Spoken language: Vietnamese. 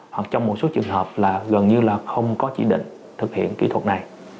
hoặc trong một số trường hợp là gần như là không có chỉ định thực hiện kỹ thuật này